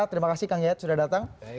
terima kasih kang yayat sudah datang